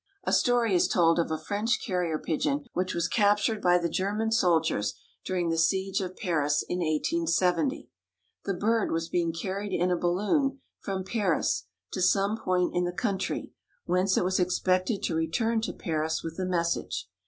A story is told of a French carrier pigeon which was captured by the German soldiers during the siege of Paris in 1870. The bird was being carried in a balloon from Paris to some point in the country, whence it was expected to return to Paris with a message.